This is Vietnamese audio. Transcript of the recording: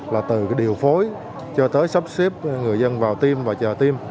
là từ điều phối cho tới sắp xếp người dân vào tiêm và chờ tiêm